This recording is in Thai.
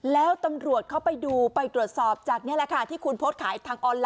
แล้วตำรวจเข้าไปดูไปตรวจสอบจากนี่แหละค่ะที่คุณโพสต์ขายทางออนไลน